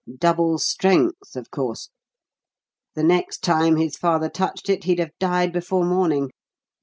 Double strength, of course. The next time his father touched it he'd have died before morning.